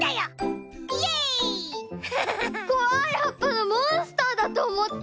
こわいはっぱのモンスターだとおもった！